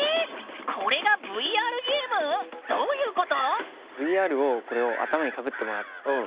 これがＶＲゲーム⁉どういうこと？